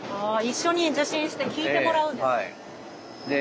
一緒に受診して聞いてもらうんですね。